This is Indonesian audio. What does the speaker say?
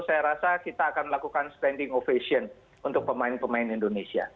saya rasa kita akan melakukan spending ovation untuk pemain pemain indonesia